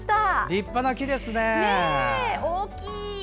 立派な木ですね。大きい！